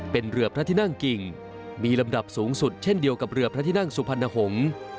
เป็นเรือพระที่นั่งกิ่งมีลำดับสูงสุดเช่นเดียวกับเรือพระที่นั่งสุพรรณหงษ์